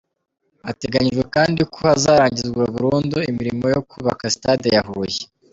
Hateganyijwe kandi ko hazarangizwa burundu imirimo yo kubaka Stade ya Huye.